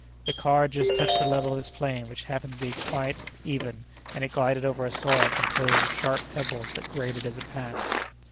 The car just touched the level of this plane, which happened to be quite even, and it glided over a soil composed of sharp pebbles that grated as it passed.